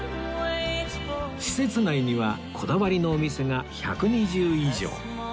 施設内にはこだわりのお店が１２０以上